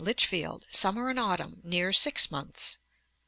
Lichfield, summer and autumn; 'near six months.'